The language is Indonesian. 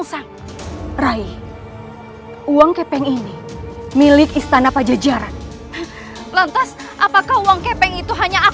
sampai jumpa di video selanjutnya